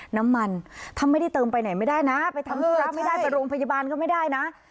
น้ำมันถ้าไม่ได้เติมไปไหนไม่ได้นะไปทำธุระไม่ได้ไปโรงพยาบาลก็ไม่ได้นะ